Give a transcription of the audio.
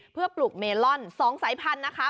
เพื่อปลูกเมลอน๒สายพันธุ์นะคะ